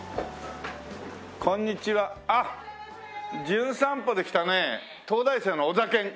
『じゅん散歩』で来たね東大生のおざけん。